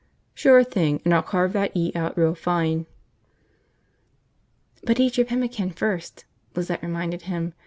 "Sure thing. And I'll carve that E out real fine." "But eat your pemmican first," Lizette reminded him.